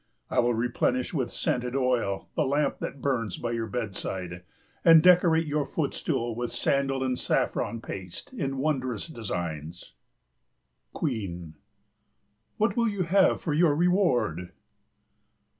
I will replenish with scented oil the lamp that burns by your bedside, and decorate your footstool with sandal and saffron paste in wondrous designs. QUEEN. What will you have for your reward?